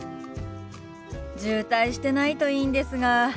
渋滞してないといいんですが。